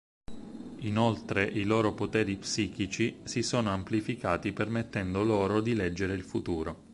Inoltre, i loro poteri psichici si sono amplificati permettendo loro di leggere il futuro.